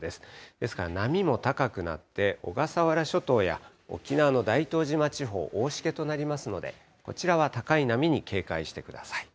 ですから波も高くなって、小笠原諸島や沖縄の大東島地方、大しけとなりますので、こちらは高い波に警戒してください。